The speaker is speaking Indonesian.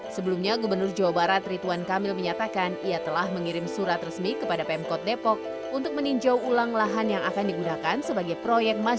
sebelumnya gubernur jawa barat rituan kamil menyatakan ia telah mengirim surat resmi kepada pemkot depok untuk meninjau ulang lahan yang akan digunakan sebagai proyek masjid